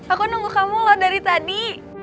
aku nunggu kamu loh dari tadi